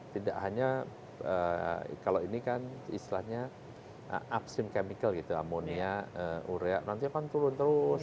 tidak hanya kalau ini kan istilahnya upsine chemical gitu amonia urea nanti akan turun terus